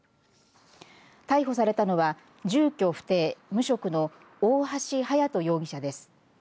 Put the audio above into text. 逮捕されたのは住居不定、無職の大橋勇人容疑者です。